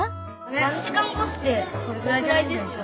３時間後ってこれくらいですよね？